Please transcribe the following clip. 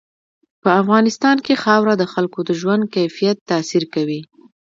په افغانستان کې خاوره د خلکو د ژوند کیفیت تاثیر کوي.